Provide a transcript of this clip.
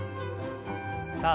さあ